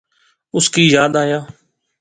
اس کی یاد آیا